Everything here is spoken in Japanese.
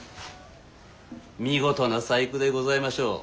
見事な細工でございましょう。